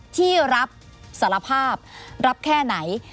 ที่รับสารภาพรับแค่ไหน